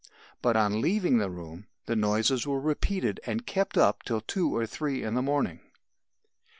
But on leaving the room the noises were repeated and kept up till two or three in the morning.